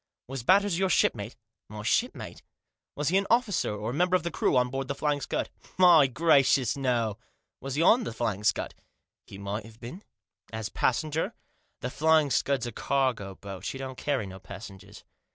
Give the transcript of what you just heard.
" Was Batters your shipmate ?"" My shipmate ?"" Was he an officer or member of the crew on board The Flying Scud?" " My gracious, no !"" He was on The Flying Scud? "" He might have been." " As passenger ?"" The Flying Scud*s a cargo boat ; she don't carry no passengers."